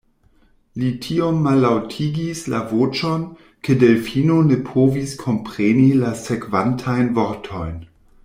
Li tiom mallaŭtigis la voĉon, ke Delfino ne povis kompreni la sekvantajn vortojn.